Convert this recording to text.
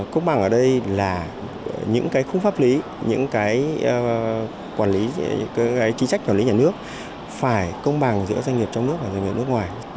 công bằng ở đây là những cái khung pháp lý những cái quản lý những cái chính sách quản lý nhà nước phải công bằng giữa doanh nghiệp trong nước và doanh nghiệp nước ngoài